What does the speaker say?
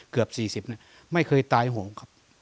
เกือบ๔๐ไม่เคยตายโหงครับ